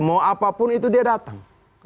mau apapun itu dia datang